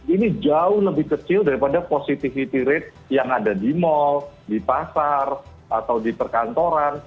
ini jauh lebih kecil daripada positivity rate yang ada di mall di pasar atau di perkantoran